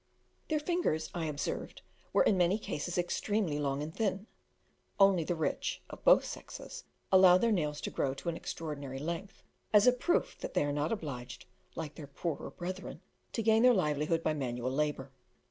Their fingers I observed were in many cases extremely long and thin; only the rich (of both sexes) allow their nails to grow to an extraordinary length, as a proof that they are not obliged, like their poorer brethren, to gain their livelihood by manual labour.